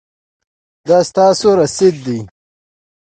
دا ستاسو رسید دی